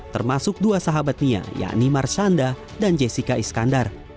termasuk dua sahabat nia yakni marshanda dan jessica iskandar